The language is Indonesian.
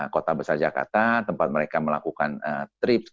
kota besar jakarta tempat mereka melakukan trip